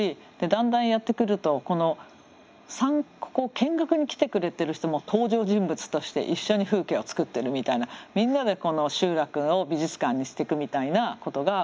だんだんやってくるとここを見学に来てくれてる人も登場人物として一緒に風景を作ってるみたいなみんなでこの集落を美術館にしていくみたいなことが起こって。